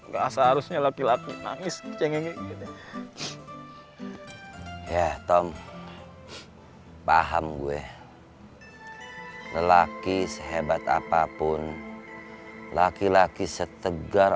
gak seharusnya laki laki nangis ya tom paham gue lelaki sehebat apapun laki laki setegar